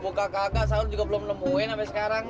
buka kagak sahur juga belum nemuin sampe sekarang